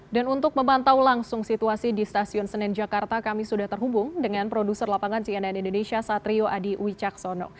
dan untuk memantau langsung situasi di stasiun senin jakarta kami sudah terhubung dengan produser lapangan cnn indonesia satrio adi wicaksono